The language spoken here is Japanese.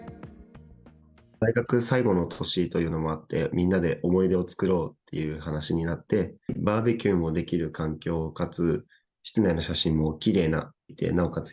大学最後の年というのもあって、みんなで思い出を作ろうっていう話になって、バーベキューもできる環境、かつ室内の写真もきれいで、なおかつ